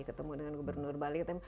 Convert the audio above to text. ketemu dengan gubernur bali